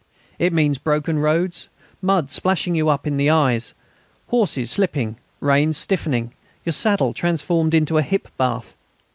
It means broken roads, mud splashing you up to the eyes, horses slipping, reins stiffened, your saddle transformed into a hip bath.